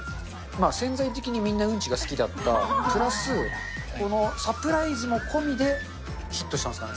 潜在的にみんなうんちが好きだった、プラス、このサプライズも込みでヒットしたんですかね？